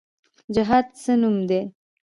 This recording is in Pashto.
جهاد د څه نوم دی؟